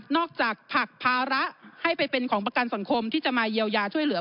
จากผลักภาระให้ไปเป็นของประกันสังคมที่จะมาเยียวยาช่วยเหลือ